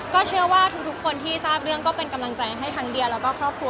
ก็เชื่อว่าทุกคนที่ทราบเรื่องก็เป็นกำลังใจให้ทั้งเดียแล้วก็ครอบครัว